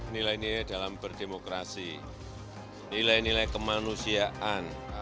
nilai nilai dalam berdemokrasi nilai nilai kemanusiaan